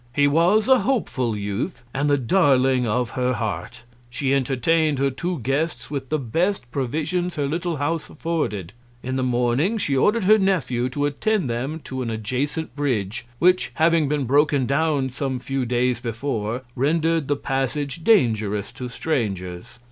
He was a hopeful Youth, and the Darling of her Heart. She entertain'd her two Guests with the best Provisions her little House afforded. In the Morning she order'd her Nephew to attend them to an adjacent Bridge, which, having been broken down some few Days before, render'd the Passage dangerous to Strangers.